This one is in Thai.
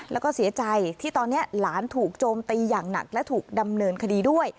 แล้วก็เสียใจที่ตอนนี้หลานถูกโจมตีอย่างหนักและถูกดำเนินคดีด้วย